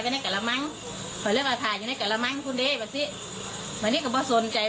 มาไปดูบ้านของผู้ตายกันหน่อย